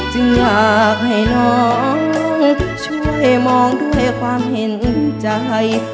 อยากให้น้องช่วยมองด้วยความเห็นใจ